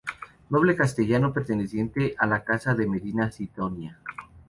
Noble castellano perteneciente a la casa de Medina Sidonia.